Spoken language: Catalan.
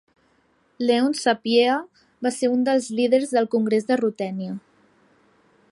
Leon Sapieha va ser un dels líders del congrés de Rutènia.